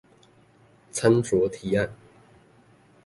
參酌提案